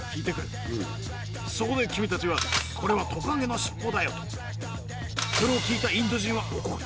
そこで君たちは「これはトカゲの尻尾だよ」と。それを聞いたインド人は怒る。